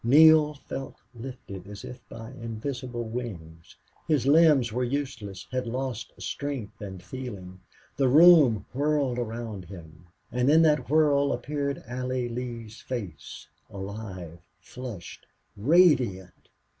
Neale felt lifted, as if by invisible wings. His limbs were useless had lost strength and feeling. The room whirled around him, and in that whirl appeared Allie Lee's face. Alive flushed radiant!